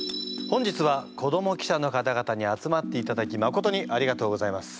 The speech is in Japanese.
本日は子ども記者の方々に集まっていただきまことにありがとうございます。